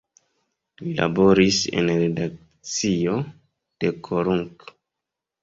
Li laboris en redakcio de "Korunk".